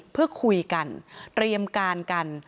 เพื่อคุยกันเตรียมการกัน